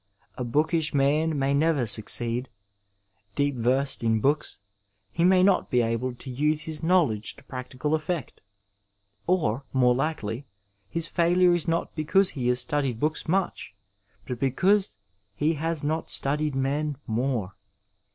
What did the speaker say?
A bookish man may never succeed ; deep versed in books, he may not be able to use his knowledge to practical effect ; or, more likely, his failure is not because he has studied books much, but because he has not studied men more.